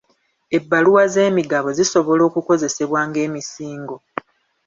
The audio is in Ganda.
Ebbaluwa z'emigabo zisobola okukozesebwa ng'emisingo?